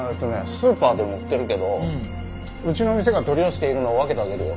スーパーでも売ってるけどうちの店が取り寄せているのを分けてあげるよ。